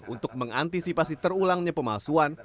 untuk mengantisipasi terulangnya pemalsuan